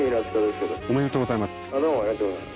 おめでとうございます。